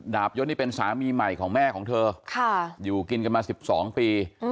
บยศนี่เป็นสามีใหม่ของแม่ของเธออยู่กินกันมา๑๒ปี